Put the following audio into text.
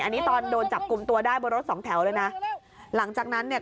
อันนี้ตอนโดนจับกลุ่มตัวได้บนรถสองแถวเลยนะหลังจากนั้นเนี่ย